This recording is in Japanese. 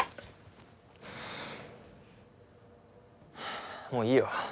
あもういいよ。